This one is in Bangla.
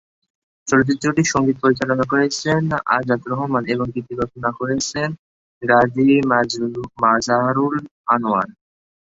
চলচ্চিত্রটির সঙ্গীত পরিচালনা করেছেন আজাদ রহমান এবং গীত রচনা করেছেন গাজী মাজহারুল আনোয়ার।